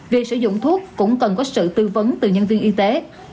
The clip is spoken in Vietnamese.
việc sử dụng thuốc cũng cần có sự tư vấn từ nhân viên y tế